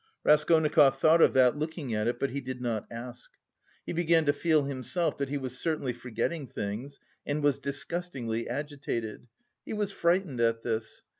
Raskolnikov thought of that looking at it, but he did not ask. He began to feel himself that he was certainly forgetting things and was disgustingly agitated. He was frightened at this.